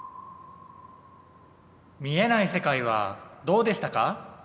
見えない世界はどうでしたか？